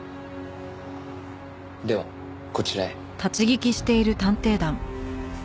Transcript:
ではこちらへ。